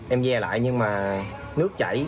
em ve lại nhưng mà nước chảy